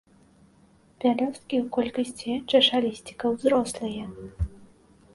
Пялёсткі ў колькасці чашалісцікаў зрослыя.